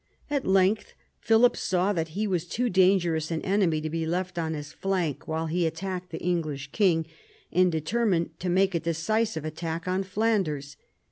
At length Philip saw that he was too dangerous an enemy to be left on his flank while he attacked the English king, and determined to make a decisive attack on Flanders.